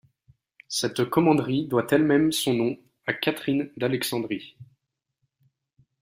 Cette commanderie doit elle-même son nom à Catherine d'Alexandrie.